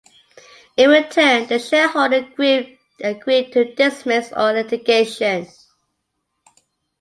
In return, the shareholder group agreed to dismiss all litigation.